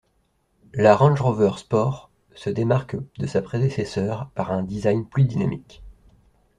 La Range Rover Sport se démarque de sa prédécesseure par un design plus dynamique.